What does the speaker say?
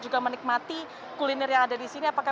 juga menikmati kuliner yang ada di sini apakah